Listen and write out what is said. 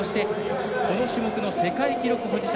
この種目の世界記録保持者